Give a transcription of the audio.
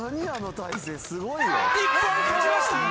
日本勝ちました！